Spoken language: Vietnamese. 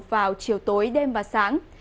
vào chiều tối đêm và sáng